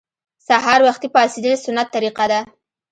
سهار وختي پاڅیدل سنت طریقه ده